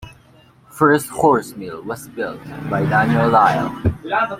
First horse mill was built by Daniel Lile.